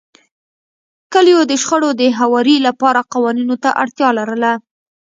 کلیو د شخړو د هواري لپاره قوانینو ته اړتیا لرله.